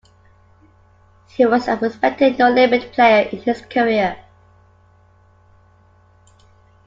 He was a respected no-limit player in his career.